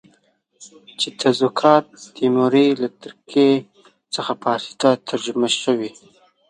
چې تزوکات تیموري له ترکي څخه فارسي ته ترجمه شوی.